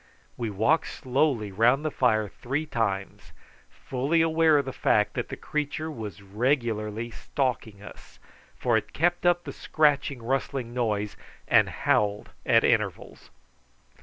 We walked slowly round the fire three times, fully aware of the fact that the creature was regularly stalking us, for it kept up the scratching rustling noise, and howled at intervals.